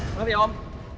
berhenti ya om